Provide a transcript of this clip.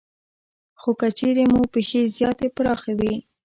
خو که چېرې مو پښې زیاتې پراخې وي